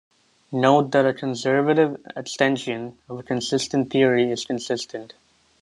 Note that a conservative extension of a consistent theory is consistent.